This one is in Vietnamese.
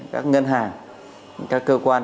các ngân hàng các cơ quan